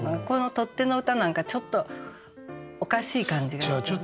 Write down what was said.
この取っ手の歌なんかちょっとおかしい感じがして。